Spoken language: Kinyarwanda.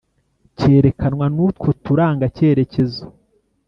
cyerekanwa n'utwo turangacyerekezo.